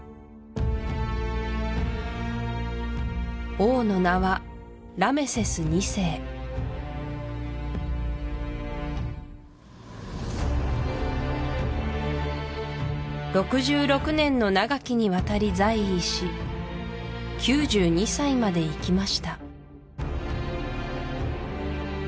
王の名は６６年の長きにわたり在位し９２歳まで生きました